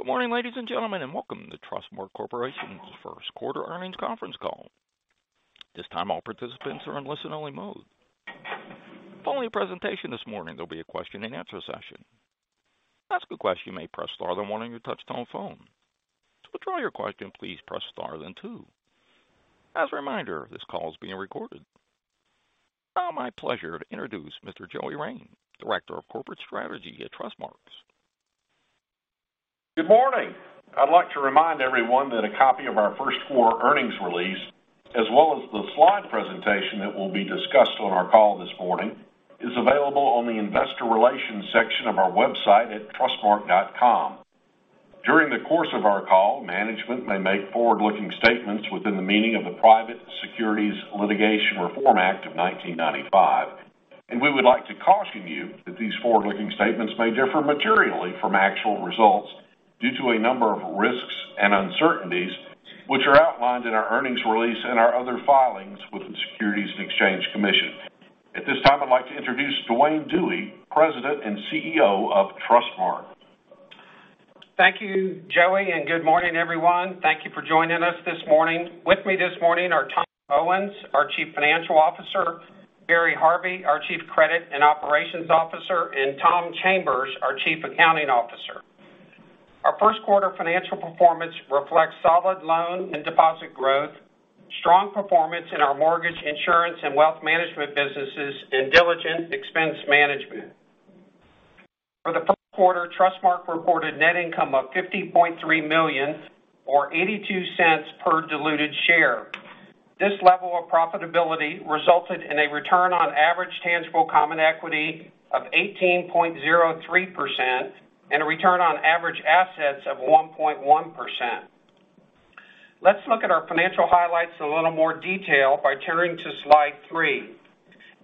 Good morning, ladies and gentlemen, and Welcome to Trustmark Corporation's first quarter earnings conference call. This time, all participants are in listen-only mode. Following a presentation this morning, there'll be a question-and-answer session. To ask a question, you may press star then one on your touchtone phone. To withdraw your question, please press star then two. As a reminder, this call is being recorded. My pleasure to introduce Mr. Joey Rein, Director of Corporate Strategy at Trustmark. Good morning. I'd like to remind everyone that a copy of our first quarter earnings release, as well as the slide presentation that will be discussed on our call this morning, is available on the investor relations section of our website at trustmark.com. During the course of our call, management may make forward-looking statements within the meaning of the Private Securities Litigation Reform Act of 1995. We would like to caution you that these forward-looking statements may differ materially from actual results due to a number of risks and uncertainties which are outlined in our earnings release and our other filings with the Securities and Exchange Commission. At this time, I'd like to introduce Duane Dewey, President and CEO of Trustmark. Thank you, Joey. Good morning, everyone. Thank you for joining us this morning. With me this morning are Tom Owens, our Chief Financial Officer, Barry Harvey, our Chief Credit and Operations Officer, and Tom Chambers, our Chief Accounting Officer. Our first quarter financial performance reflects solid loan and deposit growth, strong performance in our mortgage, insurance, and wealth management businesses, and diligent expense management. For the first quarter, Trustmark reported net income of $50.3 million or $0.82 per diluted share. This level of profitability resulted in a return on average tangible common equity of 18.03% and a return on average assets of 1.1%. Let's look at our financial highlights in a little more detail by turning to slide three.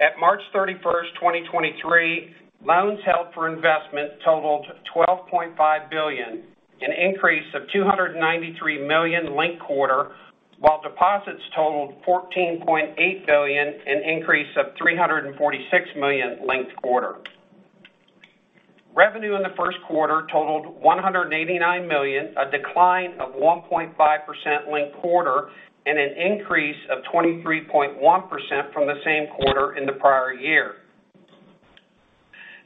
At March 31, 2023, loans held for investment totaled $12.5 billion, an increase of $293 million linked quarter, while deposits totaled $14.8 billion, an increase of $346 million linked quarter. Revenue in the first quarter totaled $189 million, a decline of 1.5% linked quarter and an increase of 23.1% from the same quarter in the prior year.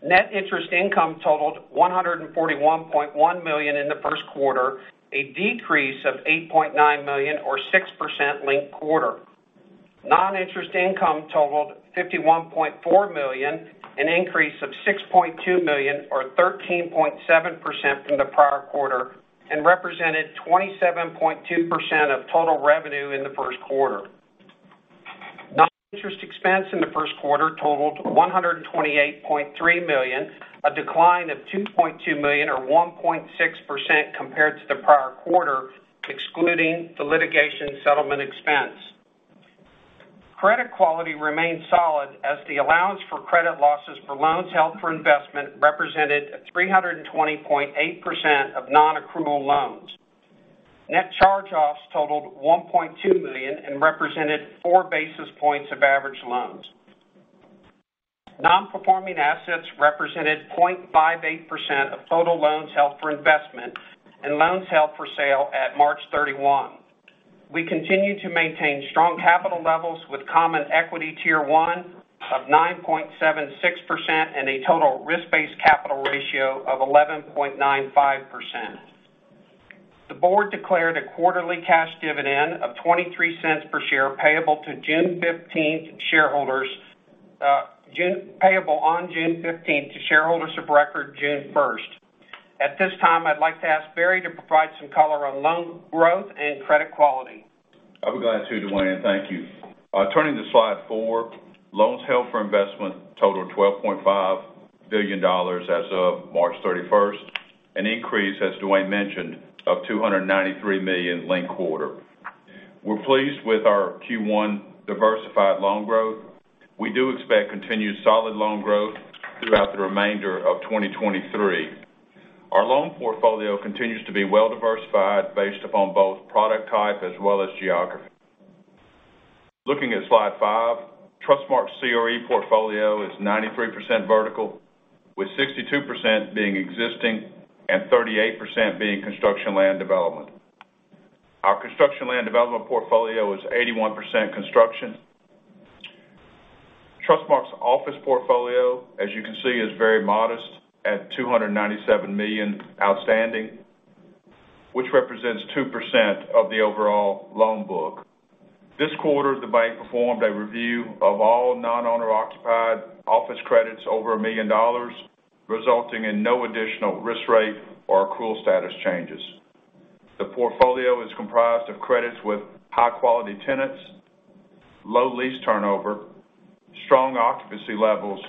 Net interest income totaled $141.1 million in the first quarter, a decrease of $8.9 million or 6% linked quarter. Non-interest income totaled $51.4 million, an increase of $6.2 million or 13.7% from the prior quarter and represented 27.2% of total revenue in the first quarter. Non-interest expense in the first quarter totaled $128.3 million, a decline of $2.2 million or 1.6% compared to the prior quarter, excluding the litigation settlement expense. Credit quality remained solid as the allowance for credit losses for loans held for investment represented 320.8% of non-accrual loans. Net charge-offs totaled $1.2 million and represented 4 basis points of average loans. Non-performing assets represented 0.58% of total loans held for investment and loans held for sale at March 31. We continue to maintain strong capital levels with common equity Tier 1 of 9.76% and a total risk-based capital ratio of 11.95%. The board declared a quarterly cash dividend of $0.23 per share payable on June 15th to shareholders of record June 1st. At this time, I'd like to ask Barry to provide some color on loan growth and credit quality. I'll be glad to, Duane. Thank you. Turning to slide four, loans held for investment totaled $12.5 billion as of March 31st, an increase, as Duane mentioned, of $293 million linked quarter. We're pleased with our Q1 diversified loan growth. We do expect continued solid loan growth throughout the remainder of 2023. Our loan portfolio continues to be well-diversified based upon both product type as well as geography. Looking at slide five, Trustmark's CRE portfolio is 93% vertical, with 62% being existing and 38% being construction land development. Our construction land development portfolio is 81% construction. Trustmark's office portfolio, as you can see, is very modest at $297 million outstanding, which represents 2% of the overall loan book. This quarter, the bank performed a review of all non-owner occupied office credits over $1 million, resulting in no additional risk rate or accrual status changes. The portfolio is comprised of credits with high-quality tenants, low lease turnover, strong occupancy levels,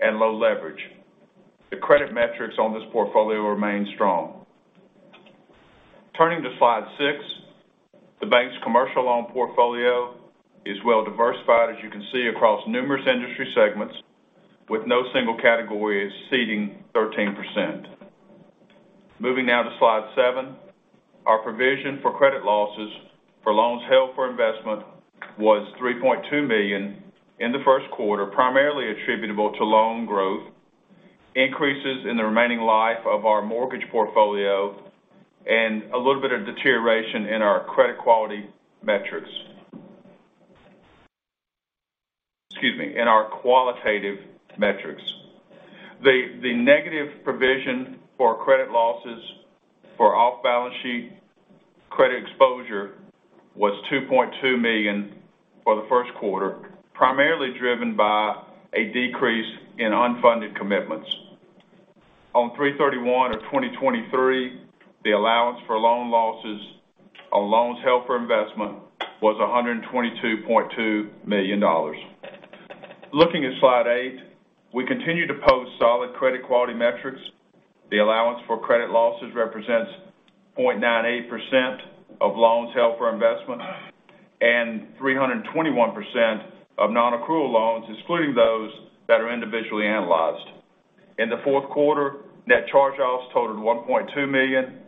and low leverage. The credit metrics on this portfolio remain strong. Turning to slide six, the bank's commercial loan portfolio is well-diversified, as you can see, across numerous industry segments, with no single category exceeding 13%. Moving now to slide seven. Our provision for credit losses for loans held for investment was $3.2 million in the first quarter, primarily attributable to loan growth, increases in the remaining life of our mortgage portfolio, and a little bit of deterioration in our credit quality metrics. Excuse me, in our qualitative metrics. The negative provision for credit losses for off-balance sheet credit exposure was $2.2 million for the first quarter, primarily driven by a decrease in unfunded commitments. On 3/31/2023, the allowance for loan losses on loans held for investment was $122.2 million. Looking at slide eight, we continue to post solid credit quality metrics. The allowance for credit losses represents 0.98% of loans held for investment and 321% of nonaccrual loans, excluding those that are individually analyzed. In the fourth quarter, net charge-offs totaled $1.2 million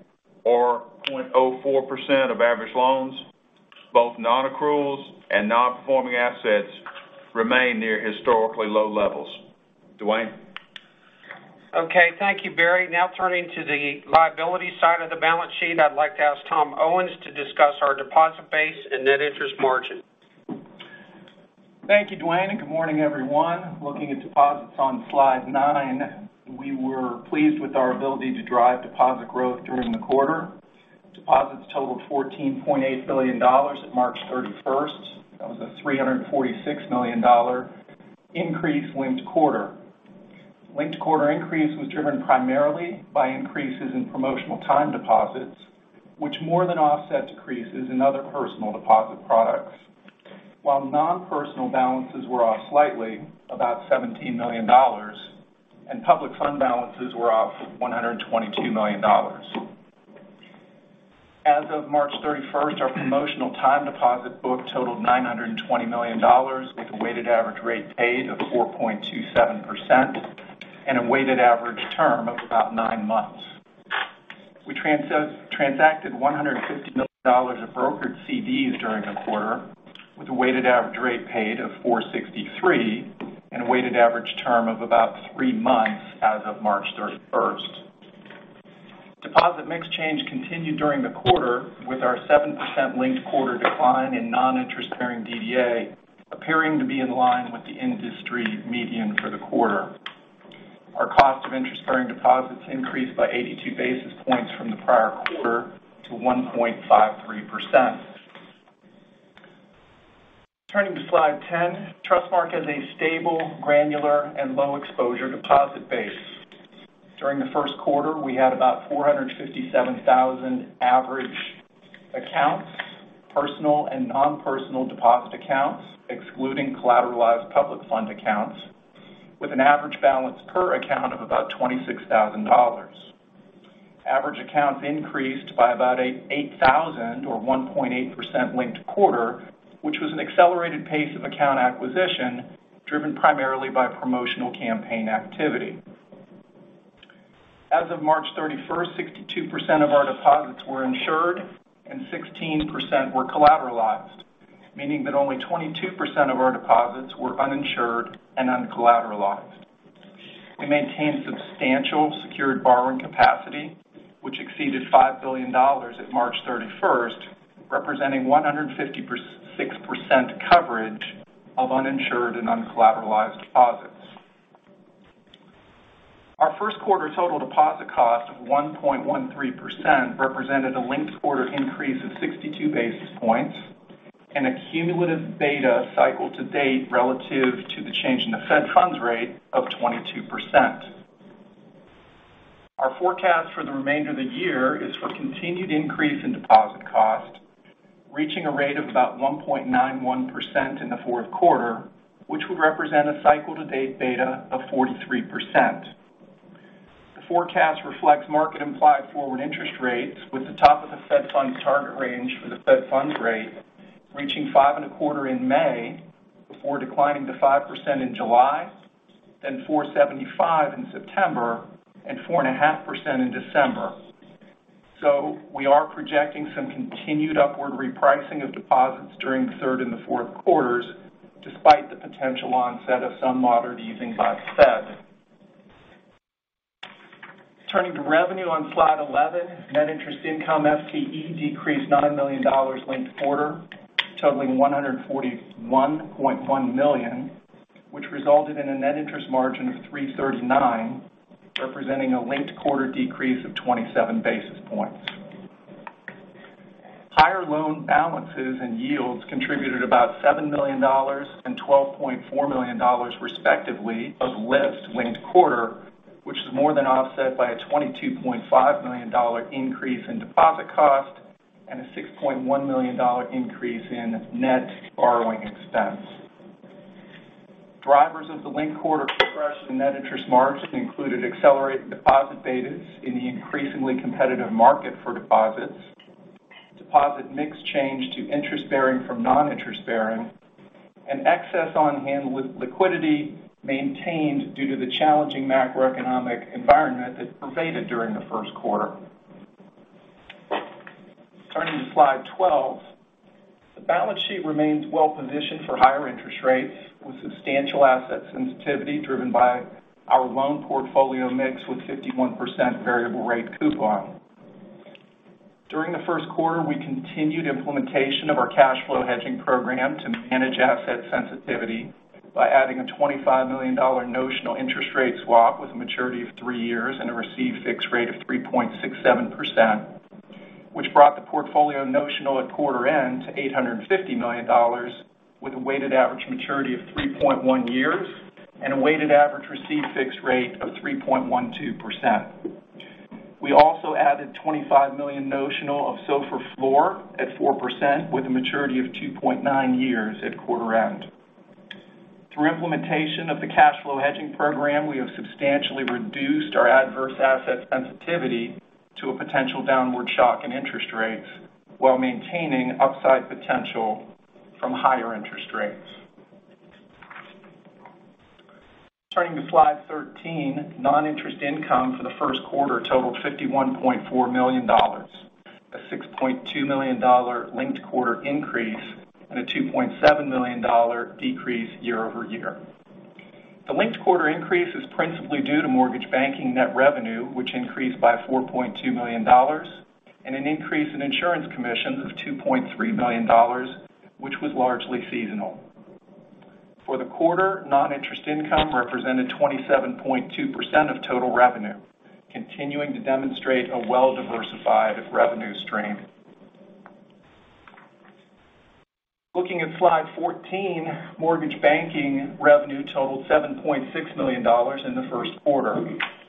or 0.04% of average loans. Both nonaccruals and nonperforming assets remain near historically low levels. Duane. Okay, thank you, Barry. Turning to the liability side of the balance sheet, I'd like to ask Tom Owens to discuss our deposit base and net interest margin. Thank you, Duane, and good morning, everyone. Looking at deposits on slide nine, we were pleased with our ability to drive deposit growth during the quarter. Deposits totaled $14.8 billion at March 31st. That was a $346 million increase linked quarter. Linked quarter increase was driven primarily by increases in promotional time deposits, which more than offset decreases in other personal deposit products, while nonpersonal balances were off slightly, about $17 million, and public fund balances were off $122 million. As of March 31st, our promotional time deposit book totaled $920 million, with a weighted average rate paid of 4.27% and a weighted average term of about nine months. We transacted $150 million of brokered CDs during the quarter, with a weighted average rate paid of 4.63% and a weighted average term of about three months as of March 31st. Deposit mix change continued during the quarter, with our 7% linked quarter decline in non-interest-bearing DDA appearing to be in line with the industry median for the quarter. Our cost of interest-bearing deposits increased by 82 basis points from the prior quarter to 1.53%. Turning to slide 10, Trustmark has a stable, granular, and low exposure deposit base. During the first quarter, we had about 457,000 average accounts, personal and non-personal deposit accounts, excluding collateralized public fund accounts, with an average balance per account of about $26,000. Average accounts increased by about 8,000 or 1.8% linked quarter, which was an accelerated pace of account acquisition, driven primarily by promotional campaign activity. As of March 31st, 62% of our deposits were insured and 16% were collateralized, meaning that only 22% of our deposits were uninsured and uncollateralized. We maintained substantial secured borrowing capacity, which exceeded $5 billion at March 31st, representing 150 per 6% coverage of uninsured and uncollateralized deposits. Our first quarter total deposit cost of 1.13% represented a linked quarter increase of 62 basis points and a cumulative beta cycle to date relative to the change in the Fed funds rate of 22%. Our forecast for the remainder of the year is for continued increase in deposit cost, reaching a rate of about 1.91% in the fourth quarter, which would represent a cycle to date beta of 43%. The forecast reflects market implied forward interest rates with the top of the Fed funds target range for the Fed funds rate reaching 5.25% in May, before declining to 5% in July, then 4.75% in September and 4.5% in December. We are projecting some continued upward repricing of deposits during the third and the fourth quarters, despite the potential onset of some moderate easing by the Fed. Turning to revenue on slide 11, net interest income FTE decreased $9 million linked quarter, totaling $141.1 million, which resulted in a net interest margin of 3.39%, representing a linked quarter decrease of 27 basis points. Higher loan balances and yields contributed about $7 million and $12.4 million, respectively, of lift linked quarter, which is more than offset by a $22.5 million increase in deposit cost and a $6.1 million increase in net borrowing expense. Drivers of the linked quarter compression net interest margin included accelerated deposit betas in the increasingly competitive market for deposits, deposit mix change to interest bearing from non-interest bearing. Excess on hand liquidity maintained due to the challenging macroeconomic environment that pervaded during the first quarter. Turning to slide 12, the balance sheet remains well-positioned for higher interest rates with substantial asset sensitivity driven by our loan portfolio mix with 51% variable rate coupon. During the first quarter, we continued implementation of our cash flow hedging program to manage asset sensitivity by adding a $25 million notional interest rate swap with a maturity of three years and a received fixed rate of 3.67%, which brought the portfolio notional at quarter end to $850 million with a weighted average maturity of 3.1 years and a weighted average received fixed rate of 3.12%. We also added $25 million notional of SOFR floor at 4% with a maturity of 2.9 years at quarter end. Through implementation of the cash flow hedging program, we have substantially reduced our adverse asset sensitivity to a potential downward shock in interest rates while maintaining upside potential from higher interest rates. Turning to slide 13, non-interest income for the first quarter totaled $51.4 million, a $6.2 million linked-quarter increase and a $2.7 million decrease year-over-year. The linked-quarter increase is principally due to mortgage banking net revenue, which increased by $4.2 million and an increase in insurance commissions of $2.3 million, which was largely seasonal. For the quarter, non-interest income represented 27.2% of total revenue, continuing to demonstrate a well-diversified revenue stream. Looking at slide 14, mortgage banking revenue totaled $7.6 million in the first quarter,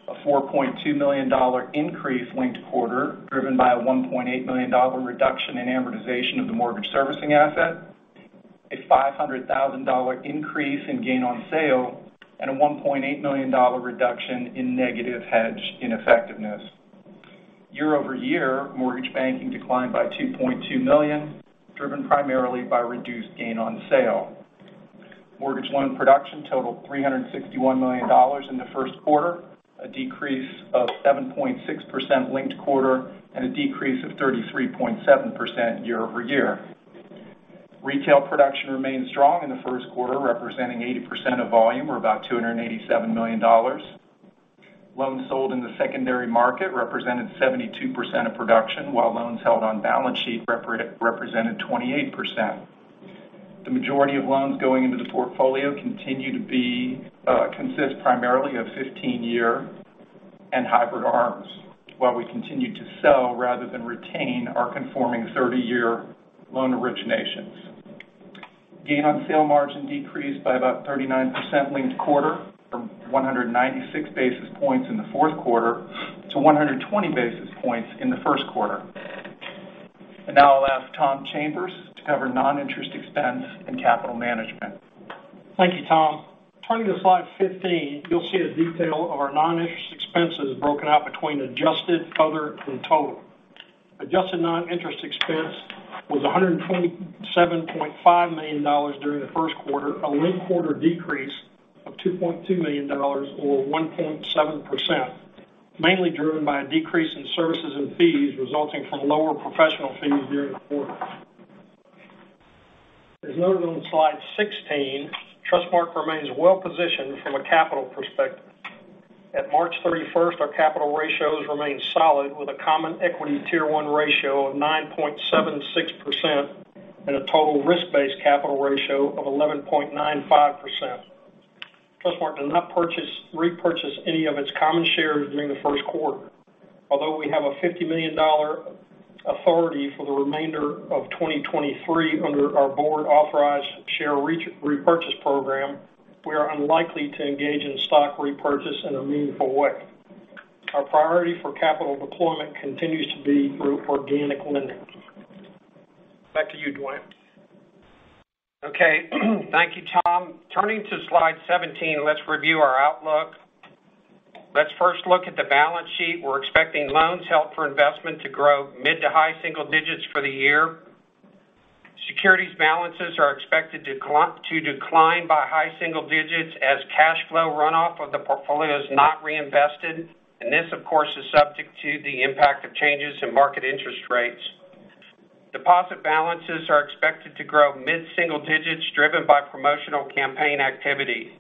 a $4.2 million increase linked quarter, driven by a $1.8 million reduction in amortization of the mortgage servicing asset, a $500,000 increase in gain on sale, and a $1.8 million reduction in negative hedge ineffectiveness. Year-over-year, mortgage banking declined by $2.2 million, driven primarily by reduced gain on sale. Mortgage loan production totaled $361 million in the first quarter, a decrease of 7.6% linked quarter and a decrease of 33.7% year-over-year. Retail production remained strong in the first quarter, representing 80% of volume or about $287 million. Loans sold in the secondary market represented 72% of production, while loans held on balance sheet represented 28%. The majority of loans going into the portfolio continue to consist primarily of 15-year and hybrid ARMs, while we continued to sell rather than retain our conforming 30-year loan originations. Gain on sale margin decreased by about 39% linked quarter from 196 basis points in the fourth quarter to 120 basis points in the first quarter. Now I'll ask Tom Chambers to cover non-interest expense and capital management. Thank you, Tom. Turning to slide 15, you'll see a detail of our non-interest expenses broken out between adjusted, other, and total. Adjusted non-interest expense was $127.5 million during the first quarter, a linked quarter decrease of $2.2 million or 1.7%, mainly driven by a decrease in services and fees resulting from lower professional fees during the quarter. As noted on slide 16, Trustmark remains well-positioned from a capital perspective. At March 31st, our capital ratios remained solid with a common equity Tier 1 ratio of 9.76% and a total risk-based capital ratio of 11.95%. Trustmark did not repurchase any of its common shares during the first quarter. Although we have a $50 million authority for the remainder of 2023 under our board authorized share repurchase program, we are unlikely to engage in stock repurchase in a meaningful way. Our priority for capital deployment continues to be through organic lending. Back to you, Duane. Okay. Thank you, Tom. Turning to slide 17, let's review our outlook. Let's first look at the balance sheet. We're expecting loans held for investment to grow mid- to high-single digits for the year. Securities balances are expected to decline by high-single digits as cash flow runoff of the portfolio is not reinvested. This, of course, is subject to the impact of changes in market interest rates. Deposit balances are expected to grow mid-single digits, driven by promotional campaign activity.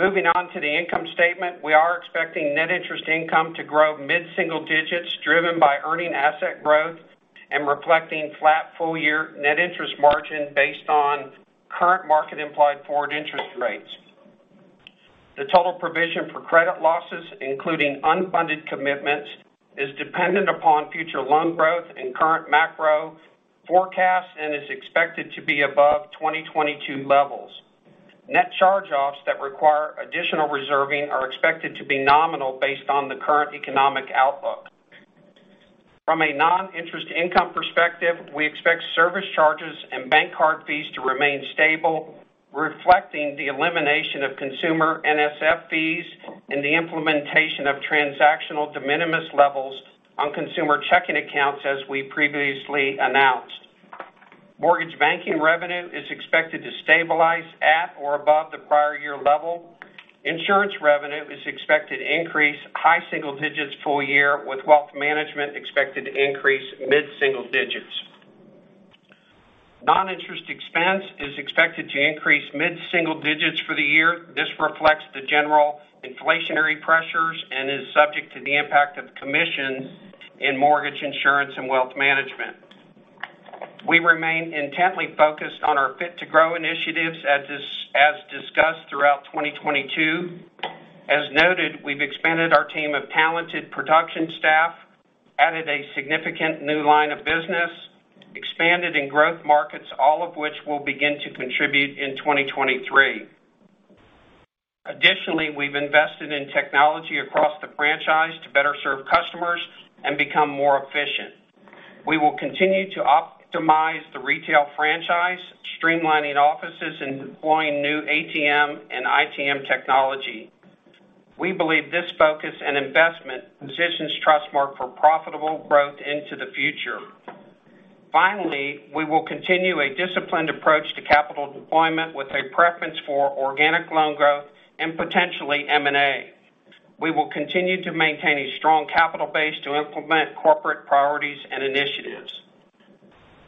Moving on to the income statement. We are expecting net interest income to grow mid-single digits driven by earning asset growth and reflecting flat full year net interest margin based on current market implied forward interest rates. The total provision for credit losses, including unfunded commitments, is dependent upon future loan growth and current macro forecasts and is expected to be above 2022 levels. Net charge-offs that require additional reserving are expected to be nominal based on the current economic outlook. From a non-interest income perspective, we expect service charges and bank card fees to remain stable, reflecting the elimination of consumer NSF fees and the implementation of transactional de minimis levels on consumer checking accounts, as we previously announced. Mortgage banking revenue is expected to stabilize at or above the prior year level. Insurance revenue is expected to increase high single digits full year, with wealth management expected to increase mid-single digits. Non-interest expense is expected to increase mid-single digits for the year. This reflects the general inflationary pressures and is subject to the impact of commissions in mortgage insurance and wealth management. We remain intently focused on our Fit to Grow initiatives as discussed throughout 2022. As noted, we've expanded our team of talented production staff, added a significant new line of business, expanded in growth markets, all of which will begin to contribute in 2023. Additionally, we've invested in technology across the franchise to better serve customers and become more efficient. We will continue to optimize the retail franchise, streamlining offices and deploying new ATM and ITM technology. We believe this focus and investment positions Trustmark for profitable growth into the future. Finally, we will continue a disciplined approach to capital deployment with a preference for organic loan growth and potentially M&A. We will continue to maintain a strong capital base to implement corporate priorities and initiatives.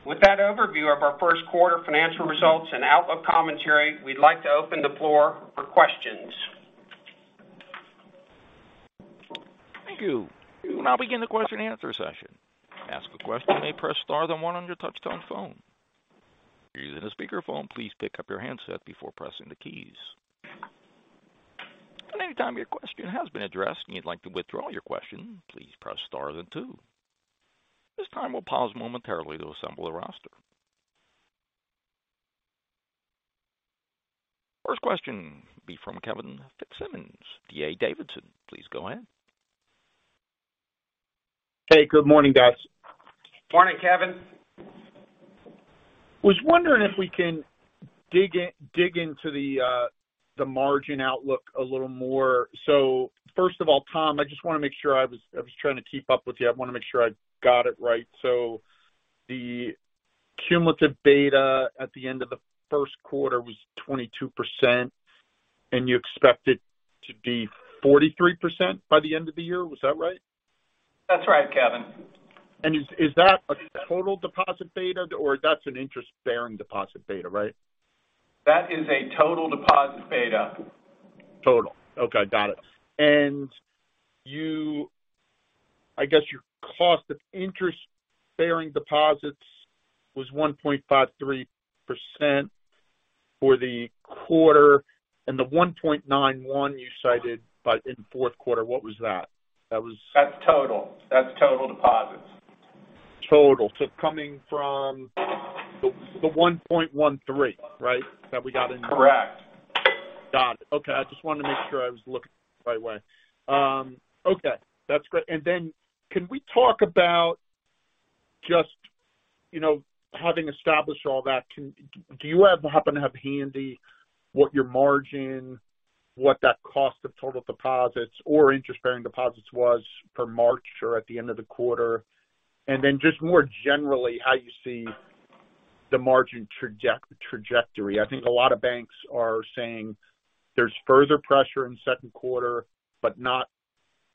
With that overview of our first quarter financial results and outlook commentary, we'd like to open the floor for questions. Thank you. We will now begin the question and answer session. To ask a question, may press star then one on your touchtone phone. If you're using a speakerphone, please pick up your handset before pressing the keys. At any time your question has been addressed and you'd like to withdraw your question, please press star then two. This time we'll pause momentarily to assemble a roster. First question be from Kevin Fitzsimmons, D.A. Davidson. Please go ahead. Hey, good morning, guys. Morning, Kevin. Was wondering if we can dig into the margin outlook a little more. First of all, Tom, I just wanna make sure I was trying to keep up with you. I wanna make sure I got it right. The cumulative beta at the end of the first quarter was 22%, and you expect it to be 43% by the end of the year. Was that right? That's right, Kevin. Is that a total deposit beta or that's an interest-bearing deposit beta, right? That is a total deposit beta. Total. Okay, got it. I guess your cost of interest-bearing deposits was 1.53% for the quarter, and the 1.91% you cited in the fourth quarter, what was that? That was. That's total. That's total deposits. Total. coming from the 1.13%, right? Correct. Got it. Okay. I just wanted to make sure I was looking the right way. Okay, that's great. Can we talk about just, you know, having established all that, do you happen to have handy what your margin, what that cost of total deposits or interest-bearing deposits was for March or at the end of the quarter? Just more generally, how you see the margin trajectory. I think a lot of banks are saying there's further pressure in second quarter, but not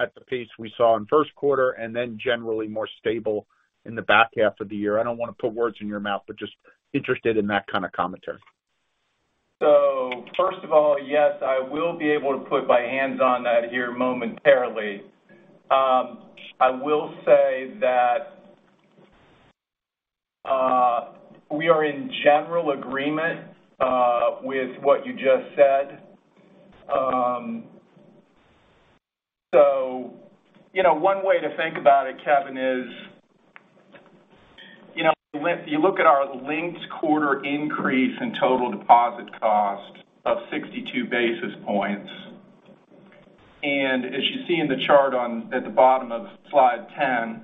at the pace we saw in first quarter, and then generally more stable in the back half of the year. I don't wanna put words in your mouth, but just interested in that kind of commentary. First of all, yes, I will be able to put my hands on that here momentarily. I will say that we are in general agreement with what you just said. You know, one way to think about it, Kevin, is, you know, when you look at our linked quarter increase in total deposit cost of 62 basis points. As you see in the chart on, at the bottom of slide 10,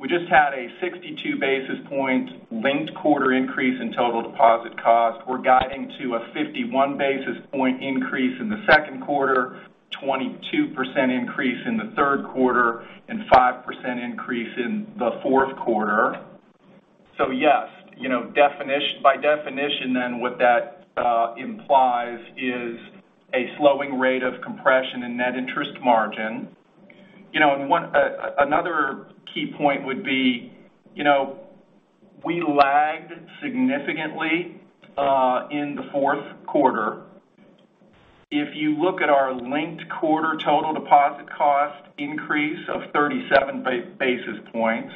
We just had a 62 basis point linked quarter increase in total deposit cost. We're guiding to a 51 basis point increase in the second quarter, 22% increase in the third quarter, and 5% increase in the fourth quarter. Yes, you know, by definition then, what that implies is a slowing rate of compression in net interest margin. You know, another key point would be, you know, we lagged significantly in the fourth quarter. If you look at our linked quarter total deposit cost increase of 37 basis points,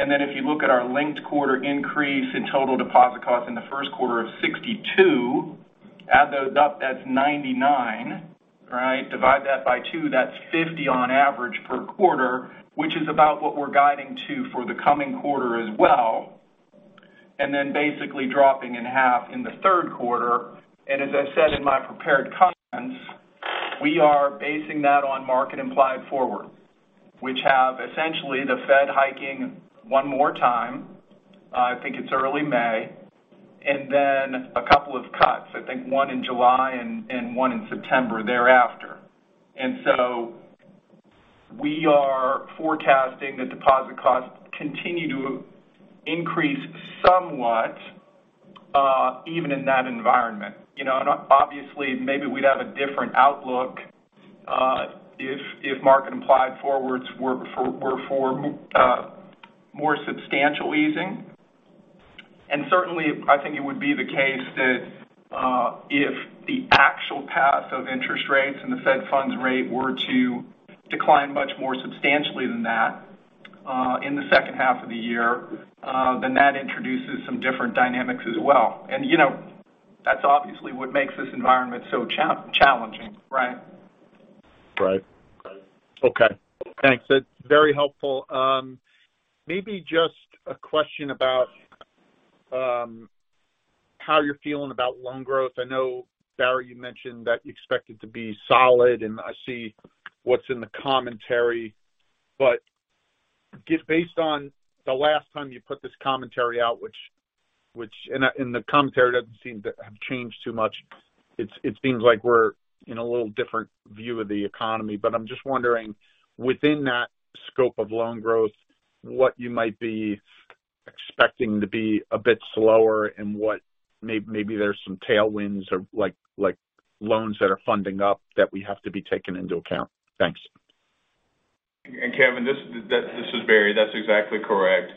if you look at our linked quarter increase in total deposit costs in the first quarter of 62, add those up, that's 99, right? Divide that by 2, that's 50 on average per quarter, which is about what we're guiding to for the coming quarter as well. Basically, dropping in half in the third quarter. As I said in my prepared comments, we are basing that on market implied forward. Which have essentially the Fed hiking one more time, I think it's early May and then couple of cuts, I think one in July and one in September thereafter. We are forecasting that deposit costs continue to increase somewhat, even in that environment. You know, obviously, maybe we'd have a different outlook, if market implied forwards were for more substantial easing. Certainly, I think it would be the case that if the actual path of interest rates and the Fed funds rate were to decline much more substantially than that, in the second half of the year, then that introduces some different dynamics as well. You know, that's obviously what makes this environment so challenging, right? Right okay thanks. That's very helpful maybe just a question about how you're feeling about loan growth. I know, Barry, you mentioned that you expect it to be solid, and I see what's in the commentary. Based on the last time you put this commentary out, which and the commentary doesn't seem to have changed too much. It seems like we're in a little different view of the economy. I'm just wondering, within that scope of loan growth, what you might be expecting to be a bit slower and what maybe there's some tailwinds or like loans that are funding up that we have to be taking into account. Thanks. Kevin, this is Barry. That's exactly correct.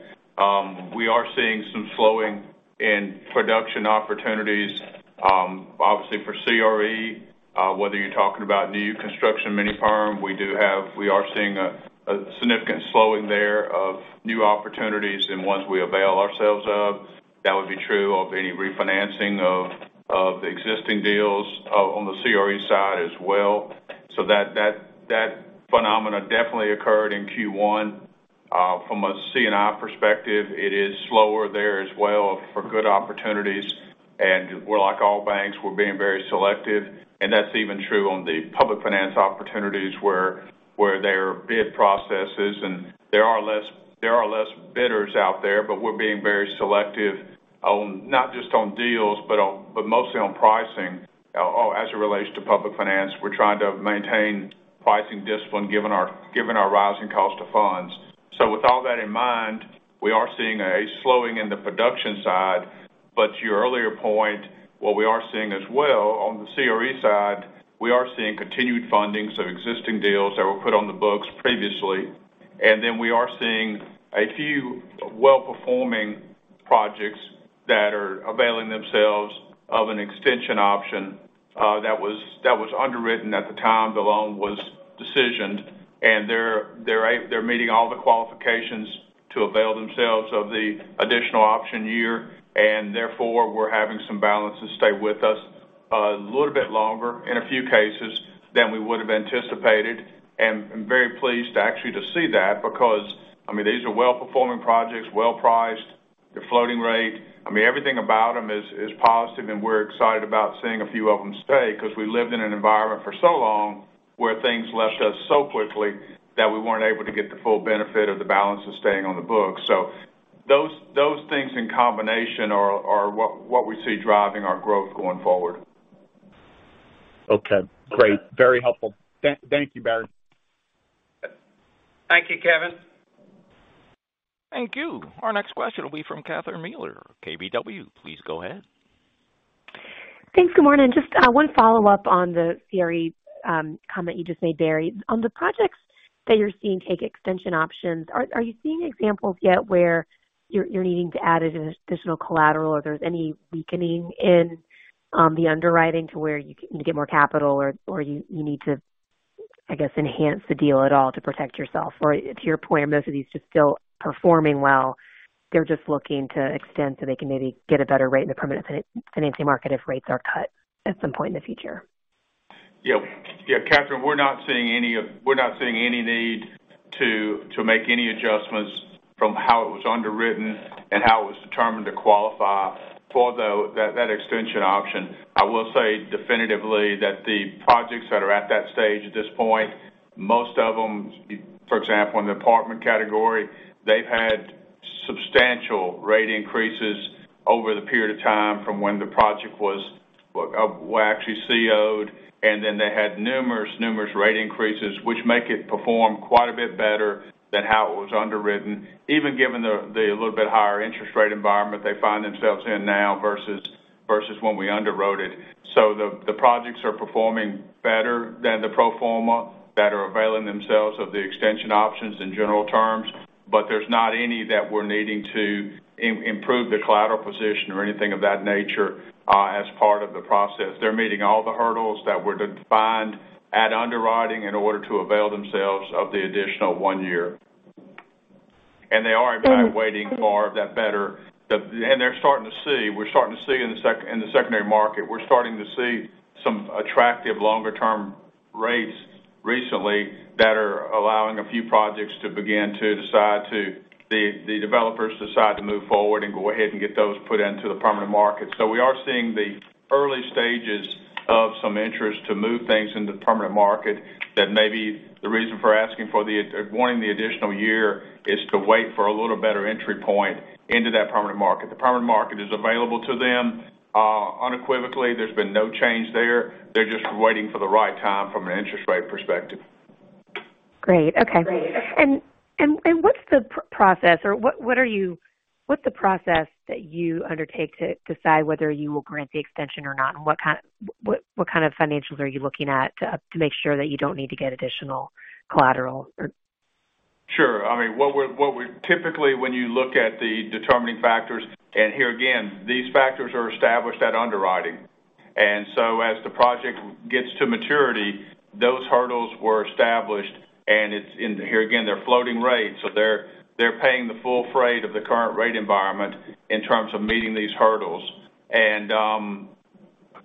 We are seeing some slowing in production opportunities, obviously for CRE, whether you're talking about new construction, mini-perm, we are seeing a significant slowing there of new opportunities and ones we avail ourselves of. That would be true of any refinancing of the existing deals on the CRE side as well. That phenomena definitely occurred in Q1. From a C&I perspective, it is slower there as well for good opportunities. We're like all banks, we're being very selective. That's even true on the public finance opportunities where there are bid processes and there are less bidders out there, but we're being very selective on not just on deals, but mostly on pricing. As it relates to public finance, we're trying to maintain pricing discipline given our rising cost of funds. With all that in mind, we are seeing a slowing in the production side. To your earlier point, what we are seeing as well on the CRE side, we are seeing continued fundings of existing deals that were put on the books previously. We are seeing a few well-performing projects that are availing themselves of an extension option that was underwritten at the time the loan was decisioned. They're meeting all the qualifications to avail themselves of the additional option year, and therefore, we're having some balances stay with us a little bit longer in a few cases than we would have anticipated. I'm very pleased actually to see that because, I mean, these are well-performing projects, well-priced, they're floating rate. I mean, everything about them is positive, and we're excited about seeing a few of them stay because we lived in an environment for so long where things left us so quickly that we weren't able to get the full benefit of the balances staying on the books. Those things in combination are what we see driving our growth going forward. Okay, great. Very helpful. Thank you, Barry. Thank you, Kevin. Thank you. Our next question will be from Catherine Mealor, KBW. Please go ahead. Thanks. Good morning. Just one follow-up on the CRE comment you just made, Barry. On the projects that you're seeing take extension options, are you seeing examples yet where you're needing to add an additional collateral or there's any weakening in the underwriting to where you can get more capital or you need to, I guess, enhance the deal at all to protect yourself? To your point, are most of these just still performing well, they're just looking to extend so they can maybe get a better rate in the permanent financing market if rates are cut at some point in the future? Yeah, Catherine, we're not seeing any need to make any adjustments from how it was underwritten and how it was determined to qualify for that extension option. I will say definitively that the projects that are at that stage at this point, most of them, for example, in the apartment category, they've had substantial rate increases over the period of time from when the project were actually CO'd, and then they had numerous rate increases, which make it perform quite a bit better than how it was underwritten, even given the little bit higher interest rate environment they find themselves in now versus when we underwrote it. The projects are performing better than the pro forma that are availing themselves of the extension options in general terms. There's not any that we're needing to improve the collateral position or anything of that nature, as part of the process. They're meeting all the hurdles that were defined at underwriting in order to avail themselves of the additional one year. They are, in fact, waiting for that better. They're starting to see, we're starting to see in the secondary market, we're starting to see some attractive longer-term rates recently that are allowing a few projects to begin to decide to, the developers decide to move forward and go ahead and get those put into the permanent market. We are seeing the stages of some interest to move things into the permanent market that maybe the reason for asking for the, wanting the additional year is to wait for a little better entry point into that permanent market. The permanent market is available to them, unequivocally. There's been no change there. They're just waiting for the right time from an interest rate perspective. Great. Okay. What's the process that you undertake to decide whether you will grant the extension or not? What kind of financials are you looking at to make sure that you don't need to get additional collateral? Sure. I mean, what we're typically when you look at the determining factors, and here again, these factors are established at underwriting. As the project gets to maturity, those hurdles were established. It's here again, they're floating rates, so they're paying the full freight of the current rate environment in terms of meeting these hurdles.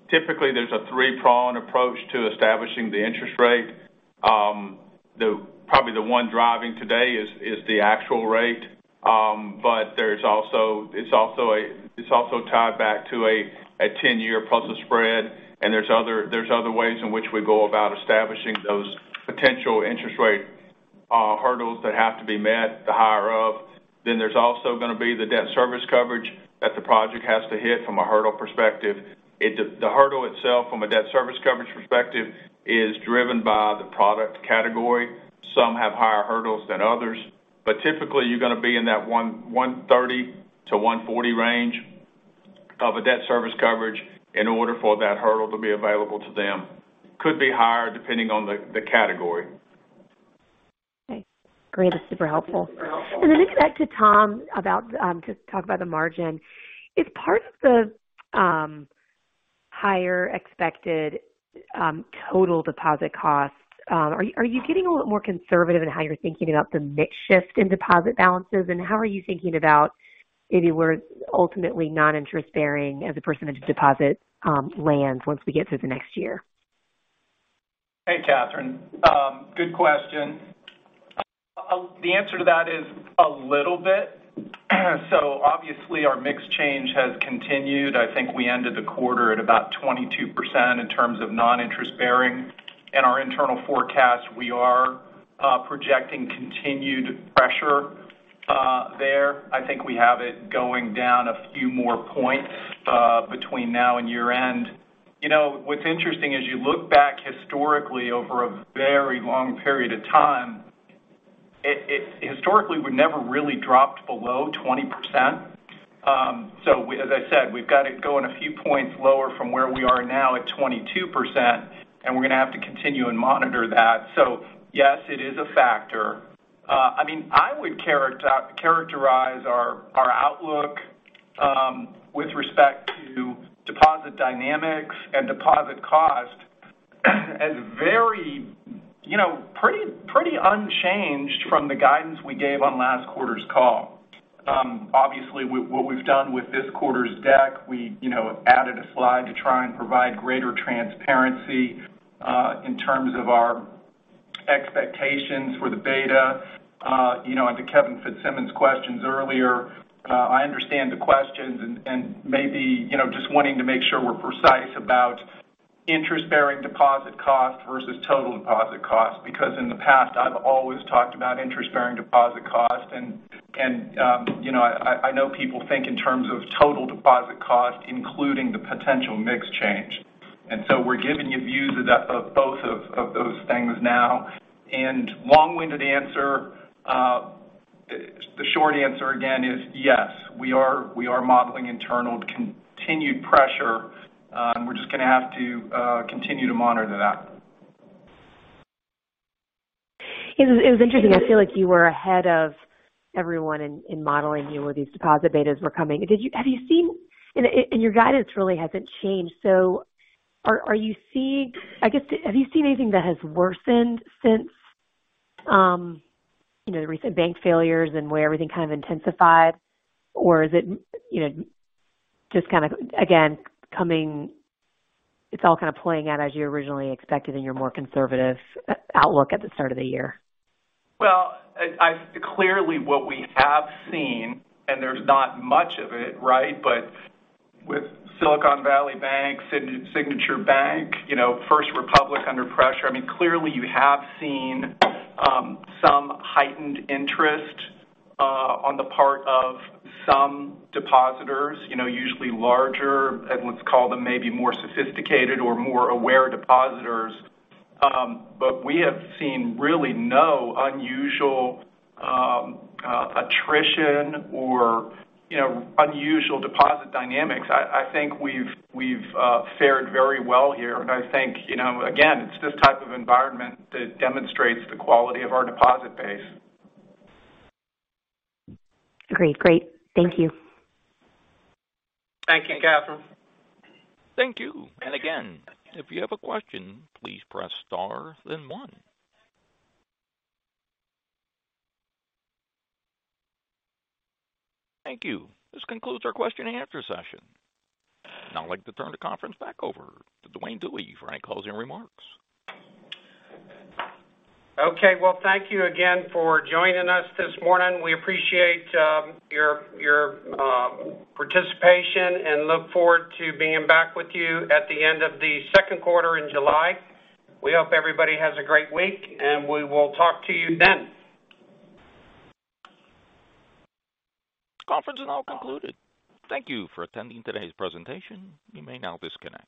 Typically there's a three-pronged approach to establishing the interest rate. Probably the one driving today is the actual rate. There's also, it's also tied back to a 10-year plus a spread. There's other ways in which we go about establishing those potential interest rate hurdles that have to be met to hire up. There's also gonna be the debt service coverage that the project has to hit from a hurdle perspective. The hurdle itself from a debt service coverage perspective is driven by the product category. Some have higher hurdles than others, but typically you're gonna be in that 1.30-1.40 range of a debt service coverage in order for that hurdle to be available to them. Could be higher depending on the category. Okay, great. It's super helpful. Then I'll get back to Tom about to talk about the margin. Is part of the higher expected total deposit costs are you getting a little more conservative in how you're thinking about the mix shift in deposit balances? How are you thinking about maybe where ultimately non-interest bearing as a percent of deposit lands once we get to the next year? Hey, Catherine. Good question. The answer to that is a little bit. Obviously our mix change has continued. I think we ended the quarter at about 22% in terms of non-interest bearing. In our internal forecast, we are projecting continued pressure there. I think we have it going down a few more points between now and year-end. You know, what's interesting is you look back historically over a very long period of time, it historically would never really dropped below 20%. As I said, we've got it going a few points lower from where we are now at 22%, and we're gonna have to continue and monitor that. Yes, it is a factor. I mean, I would characterize our outlook with respect to deposit dynamics and deposit cost as very, you know, pretty unchanged from the guidance we gave on last quarter's call. Obviously what we've done with this quarter's deck, we, you know, added a slide to try and provide greater transparency in terms of our expectations for the beta. You know, and to Kevin Fitzsimmons' questions earlier, I understand the questions and maybe, you know, just wanting to make sure we're precise about interest-bearing deposit cost versus total deposit cost because in the past I've always talked about interest-bearing deposit cost and, you know, I know people think in terms of total deposit cost, including the potential mix change. We're giving you views of that, of both of those things now. Long-winded answer, the short answer again is yes, we are modeling internal continued pressure. We're just gonna have to continue to monitor that. It was, it was interesting. I feel like you were ahead of everyone in modeling, you know, where these deposit betas were coming. Have you seen your guidance really hasn't changed. I guess, have you seen anything that has worsened since, you know, the recent bank failures and where everything kind of intensified? Or is it, you know, just kind of again, it's all kind of playing out as you originally expected in your more conservative outlook at the start of the year? I clearly what we have seen and there's not much of it, right? With Silicon Valley Bank, Signature Bank, you know, First Republic under pressure, I mean, clearly you have seen some heightened interest on the part of some depositors, you know, usually larger, and let's call them maybe more sophisticated or more aware depositors. We have seen really no unusual attrition or, you know, unusual deposit dynamics. I think we've fared very well here. I think, you know, again, it's this type of environment that demonstrates the quality of our deposit base. Great. Great. Thank you. Thank you, Catherine. Thank you. Again, if you have a question, please press star then one. Thank you. This concludes our question-and-answer session. I'd now like to turn the conference back over to Duane Dewey for any closing remarks. Okay. Well, thank you again for joining us this morning. We appreciate your participation and look forward to being back with you at the end of the second quarter in July. We hope everybody has a great week, and we will talk to you then. Conference is now concluded. Thank you for attending today's presentation. You may now disconnect.